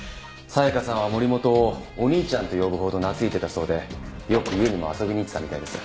紗香さんは森本を「お兄ちゃん」と呼ぶほど懐いてたそうでよく家にも遊びに行ってたみたいです。